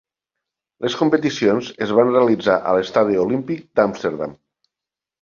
Les competicions es van realitzar a l'Estadi Olímpic d'Amsterdam.